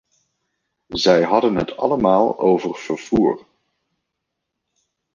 Zij hadden het allemaal over vervoer.